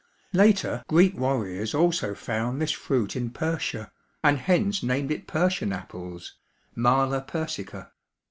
Later, Greek warriors also found this fruit in Persia, and hence named it Persian apples (Mala persica).